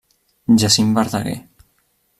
Jacint Verdaguer.